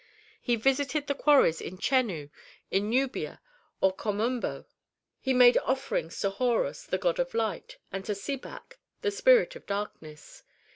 He visited the quarries in Chennu, in Nubia, or Kom Ombo; he made offerings to Horus, the god of light, and to Sebak, the spirit of darkness.